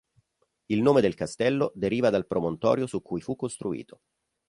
Il nome del castello deriva dal promontorio su cui fu costruito.